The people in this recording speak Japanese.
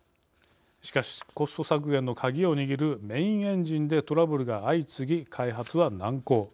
しかし、コスト削減の鍵を握るメインエンジンでトラブルが相次ぎ、開発は難航。